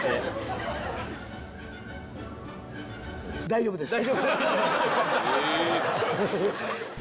大丈夫です。